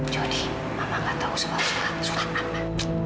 jody mama nggak tahu sebab surat apa